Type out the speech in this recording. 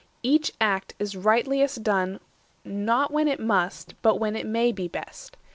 Each act is rightliest done Not when it must, but when it may be best.